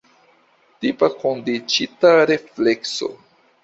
Tipa kondiĉita reflekso.